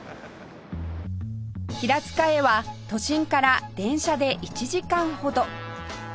平塚へは都心から電車で１時間ほど